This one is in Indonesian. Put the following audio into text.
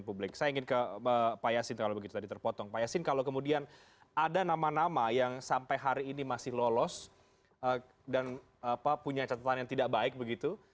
pak punya catatan yang tidak baik begitu